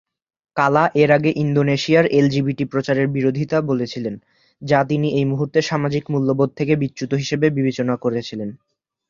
কালা এর আগে ইন্দোনেশিয়ার এলজিবিটি প্রচারের বিরোধিতা বলেছিলেন, যা তিনি এই মুহূর্তে সামাজিক মূল্যবোধ থেকে বিচ্যুত হিসাবে বিবেচনা করেছিলেন।